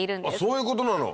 そういうことなの？